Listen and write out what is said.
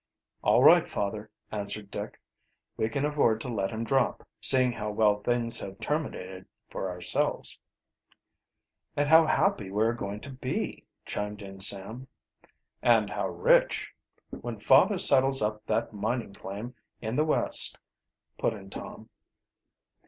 "All right, father," answered Dick. "We can afford to let him drop, seeing how well things have terminated for ourselves." "And how happy we are going to be," chimed in Sam. "And how rich when father settles up that mining claim in the West," put in Tom.